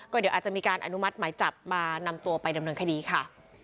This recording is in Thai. เดี๋ยวอาจจะมีการอนุมัติหมายจับมานำตัวไปดำเนินคดีค่ะ